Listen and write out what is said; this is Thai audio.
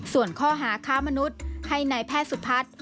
ส่วนข้อหาค้ามนุษย์ให้นายแพทย์สุพัฒน์